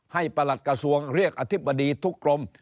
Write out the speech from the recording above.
ประหลัดกระทรวงเรียกอธิบดีทุกกรม